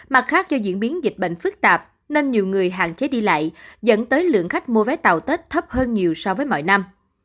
mặt khác do diễn biến dịch bệnh phức tạp nên nhiều người hạn chế đi lại dẫn tới lượng khách mua vé tàu tết thấp hơn nhiều so với mọi năm